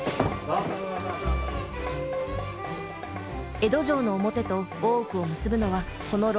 江戸城の表と大奥を結ぶのはこの廊下のみ。